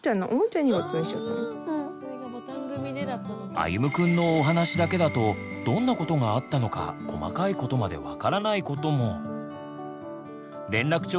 あゆむくんのお話だけだとどんなことがあったのか細かいことまで分からないことも。